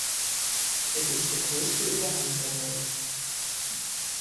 Es ist der größte Überhang der Welt.